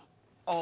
あ。